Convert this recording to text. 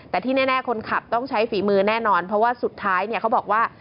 แต่ที่แน่คนขับต้องใช้ฝีมือแน่นอนเพราะว่าสุดท้ายเนี่ยเขาบอกว่า